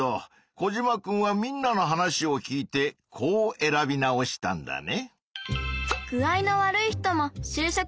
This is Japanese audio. コジマくんはみんなの話を聞いてこう選び直したんだね。